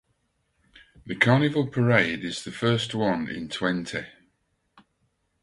The carnival parade is the first one in Twente.